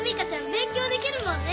べん強できるもんね！